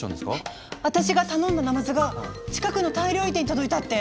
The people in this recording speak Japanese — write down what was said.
私が頼んだナマズが近くのタイ料理店に届いたって！